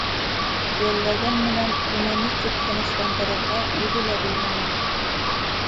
Йәлләгән менән уны ни тип тынысландырырға үҙе лә белмәне.